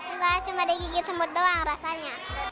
enggak cuma digigit semut doang rasanya